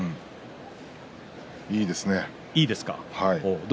いいですね。